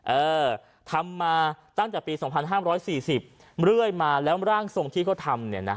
เออทำมาตั้งแต่ปีสองพันห้ามร้อยสี่สิบเรื่อยมาแล้วร่างทรงที่เขาทำเนี่ยนะ